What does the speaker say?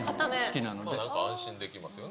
なら安心できますよね。